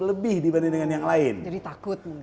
lebih dibanding dengan yang lain jadi takut